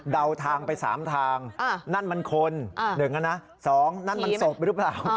ทางไป๓ทางนั่นมันคน๑นะ๒นั่นมันศพหรือเปล่า